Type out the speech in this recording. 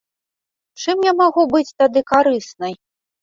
Чым я магу быць тады карыснай?